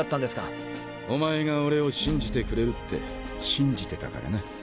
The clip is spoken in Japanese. お前が俺を信じてくれるって信じてたからな。